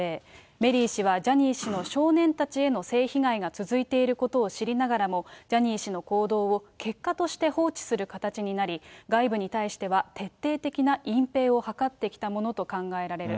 メリー氏はジャニー氏の少年たちへの性被害が続いていることを知りながらも、ジャニー氏の行動を結果として放置する形になり、外部に対しては徹底的な隠蔽を図ってきたものと考えられる。